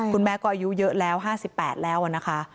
คุณแม่ก็อายุเยอะแล้ว๕๘แล้วนะคะ